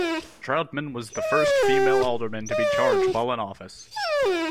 Troutman was the first female alderman to be charged while in office.